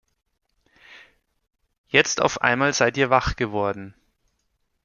Jetzt auf einmal seid Ihr wach geworden.